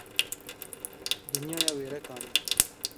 Dinya ya wêrekan e.